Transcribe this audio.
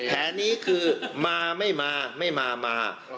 แผนนี้คือมาไม่มาไม่มามา